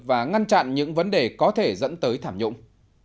và ngăn chặn những vấn đề có thể dẫn tới thảm nhũng